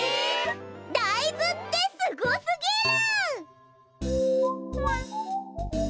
だいずってすごすぎる！